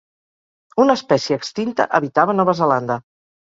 Una espècie extinta habitava Nova Zelanda.